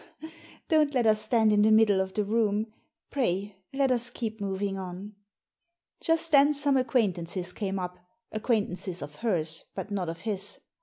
" Don't let us stand in the middle of the room. Pray let us keep moving on." Just then some acquaintances came up — acquaint ances of hers, but not of his.